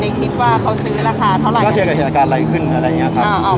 คิดว่าเขาซื้อราคาเท่าไหร่ก็เจอกับเหตุการณ์อะไรขึ้นอะไรอย่างเงี้ยครับ